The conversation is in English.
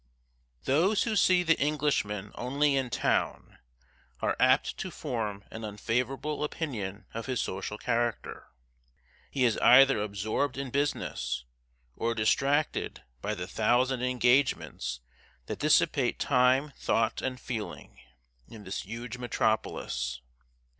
Those who see the Englishman only in town, are apt to form an unfavorable opinion of his social character. He is either absorbed in business, or distracted by the thousand engagements that dissipate time, thought, and feeling, in this huge metropolis.